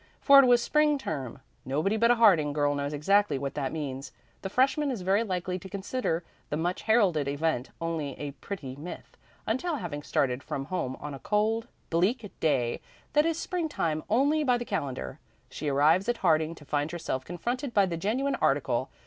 For it was spring term. Nobody but a Harding girl knows exactly what that means. The freshman is very likely to consider the much heralded event only a pretty myth, until having started from home on a cold, bleak day that is springtime only by the calendar, she arrives at Harding to find herself confronted by the genuine article.